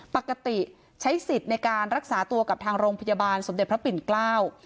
ปกติใช้สิทธิ์ในการรักษาตัวกับทางโรงพยาบาลสมเด็จพระปิ่นเกล้า